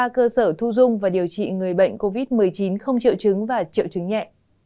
ba cơ sở thu dung và điều trị người bệnh covid một mươi chín không triệu chứng và triệu chứng nhẹ